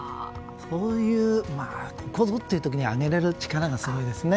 そういう、ここぞという時にあげられる力がすごいですね。